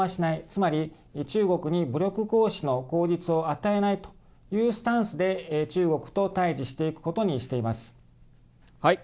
つまり、中国に武力行使の口実を与えないというスタンスで中国と対じしていくことにしています。はい。